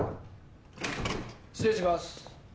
失礼します。